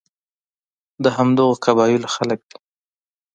د همدغو قبایلو خلک دي.